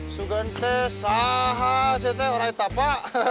sugante sahas itu orang yang apa